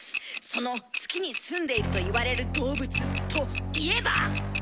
その月に住んでいるといわれる動物といえば！